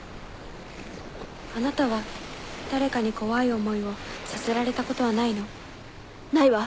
あなたは誰かに怖い思いをさせられたことはないの？ないわ！